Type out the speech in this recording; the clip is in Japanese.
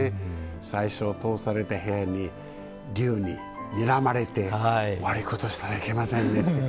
最初通された部屋に龍ににらまれて悪いことしたらいけませんねって。